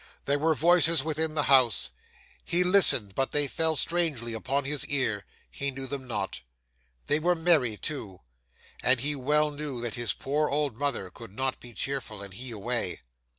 There were voices within the house. He listened, but they fell strangely upon his ear; he knew them not. They were merry too; and he well knew that his poor old mother could not be cheerful, and he away.